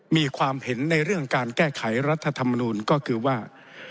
มีความเห็นในเรื่องการแก้ไขรัฐธรรมนูลก็คือว่า